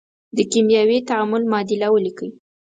د کیمیاوي تعامل معادله ولیکئ.